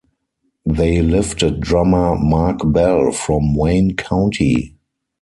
They lifted drummer Marc Bell from Wayne County.